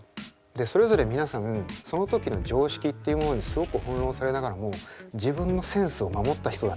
それぞれ皆さんその時の常識っていうものにすごく翻弄されながらも自分のセンスを守った人たちだと思うんすよね。